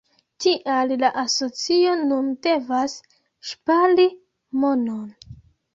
Tial la asocio nun devas ŝpari monon.